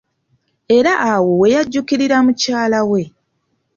Era awo we yajjuukirira mukyala we.